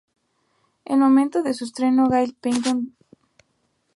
En el momento de su estreno, Gail Pennington de "St.